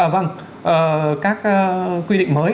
vâng các quy định mới